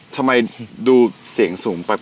ทำไมดูเสียงสูงไป